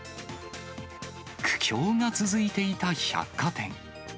苦境が続いていた百貨店。